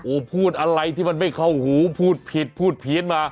โอ้ยพูดอะไรที่มันไม่เข้าหูพูดผิดพูดผีดมา